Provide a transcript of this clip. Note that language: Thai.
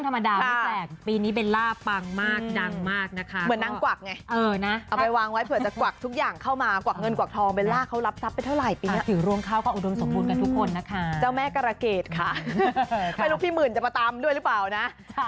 มากนะคะเหมือนนั่งกวักไงเออนะเอาไว้วางไว้เผื่อจะกวักทุกอย่างเข้ามากวักเงินกวักทองไปลากเขารับทรัพย์ไปเท่าไหร่ปีแล้วถือรวมเข้ากับอุดมสมบูรณ์กันทุกคนนะคะเจ้าแม่กระเกตค่ะไม่รู้พี่หมื่นจะมาตามด้วยหรือเปล่านะ